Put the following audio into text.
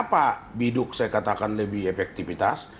saya katakan lebih efektifitas